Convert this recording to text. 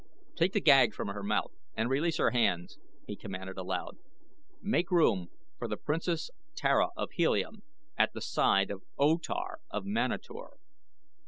Take the gag from her mouth and release her hands," he commanded aloud. "Make room for the Princess Tara of Helium at the side of O Tar of Manator.